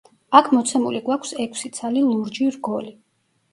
აქ მოცემული გვაქვს ექვსი ცალი ლურჯი რგოლი.